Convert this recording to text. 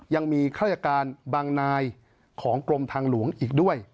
ยังมีข้าราชการบางนายของกรมทางหลวงอีกด้วย